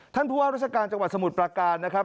ท่านผู้ว่าราชการจังหวัดสมุทรประการนะครับ